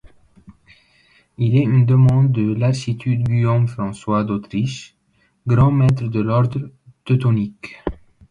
Il est une demande de l'archiduc Guillaume François d'Autriche, grand maître de l'ordre Teutonique.